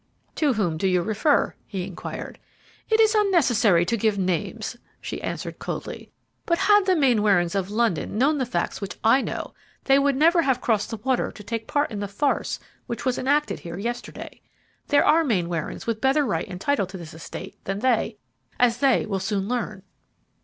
"To whom do you refer?" he inquired. "It is unnecessary to give names," she answered, coldly; "but had the Mainwarings of London known the facts which I know, they would never have crossed the water to take part in the farce which was enacted here yesterday. There are Mainwarings with better right and title to this estate than they, as they will soon learn."